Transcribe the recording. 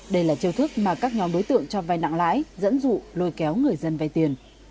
đây là chiêu thức mà các nhóm đối tượng cho vai nặng lãi dẫn dụ lôi kéo người dân vay tiền